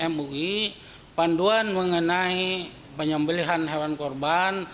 mui panduan mengenai penyembelian hewan kurban